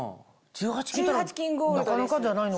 １８Ｋなかなかじゃないの？